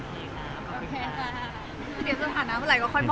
คุยกันทุกวันครับ